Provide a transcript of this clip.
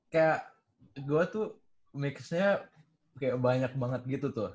kayak gue tuh mixnya kayak banyak banget gitu tuh